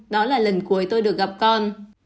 đó là lần cuối tôi được gặp con